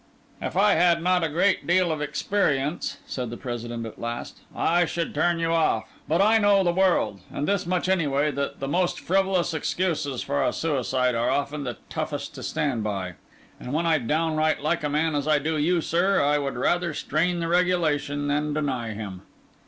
"If I had not a deal of experience," said the President at last, "I should turn you off. But I know the world; and this much any way, that the most frivolous excuses for a suicide are often the toughest to stand by. And when I downright like a man, as I do you, sir, I would rather strain the regulation than deny him."